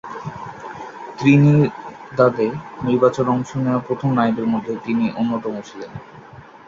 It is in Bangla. ত্রিনিদাদে নির্বাচনে অংশ নেওয়া প্রথম নারীদের মধ্যে তিনি অন্যতম ছিলেন।